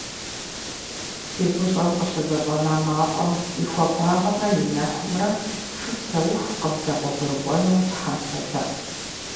Фи гущӏэм къыщызэщӏэна мафӏэм и хуабагъэмрэ и нэхумрэ фыпсэуху къывдэгъуэгурыкӏуэну Тхьэм солъэӏу!